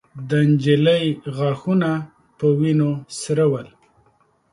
د نجلۍ غاښونه په وينو سره ول.